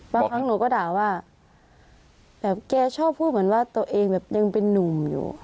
บางครั้งหนูก็ด่าว่าแบบแกชอบพูดเหมือนว่าตัวเองแบบยังเป็นนุ่มอยู่